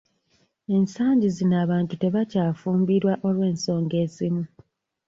Ensangi zino abantu tebakyafumbirwa olw'ensonga ezimu.